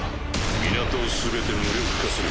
港を全て無力化する。